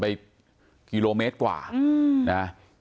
ไปกิโลเมตรกว่านะ